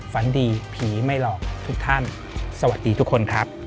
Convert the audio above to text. ฝันดีผีไม่หลอกทุกท่านสวัสดีทุกคนครับ